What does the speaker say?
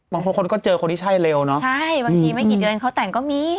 บางคนคนก็เจอคนที่ใช่เร็วเนอะใช่บางทีไม่กี่เดือนเขาแต่งก็มี